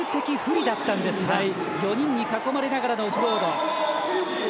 数的不利だったんですが４人に囲まれながらのオフロード。